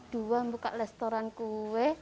dua membuka restoran kue